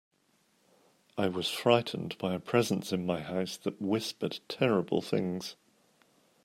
I was frightened by a presence in my house that whispered terrible things.